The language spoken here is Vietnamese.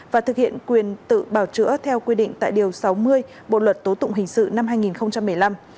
và thực hiện quyền tự bào chữa theo quy định tại điều sáu mươi bộ luật tố tụng hình sự năm hai nghìn một mươi năm